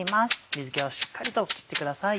水気をしっかりと切ってください。